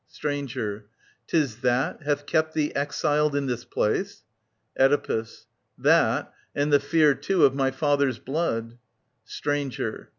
Stranger. *Tis that, hath kept thee exiled in this place ? Oedipus. That, and the fear too of my father's blood. Stranger.